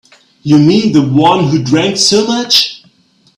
You mean the one who drank so much?